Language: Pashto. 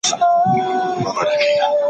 ښه داده چي ټول اړخونه وسنجول سي.